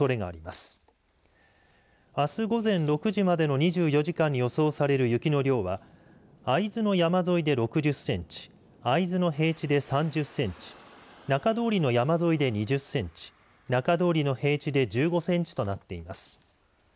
あす午前６時までの２４時間に予想される雪の量は会津の山沿いで６０センチ会津の平地で３０センチ中通りの山沿いで２０センチ中通りの平地で１５センチとなっています。